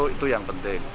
itu yang penting